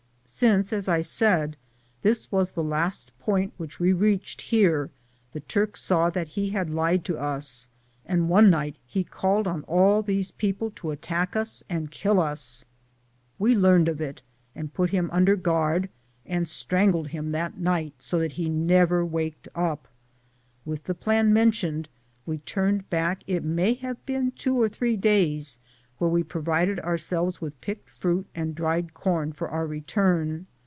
Since, as I said, this was tbe last point which we reached, here the Turk saw that he had lied to ub, and one night he called on all these people to attack us and kill us. We learned of it, and put him under guard and strangled him that night bo that he never waked up. With the plan mentioned,, we turned back it may have been two or three days, where we provided ourselves with picked fruit and dried corn for our re turn.